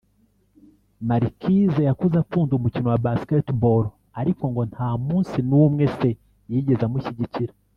Marquise yakuze akunda umukino wa Basketball ariko ngo nta munsi n'umwe se yigeze amushyigikira